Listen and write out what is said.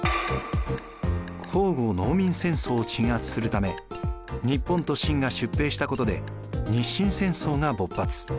甲午農民戦争を鎮圧するため日本と清が出兵したことで日清戦争が勃発。